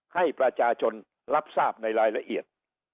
ให้ประชาชนรับทราบในรายละเอียด